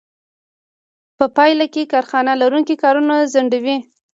په پایله کې کارخانه لرونکي کارونه ځنډوي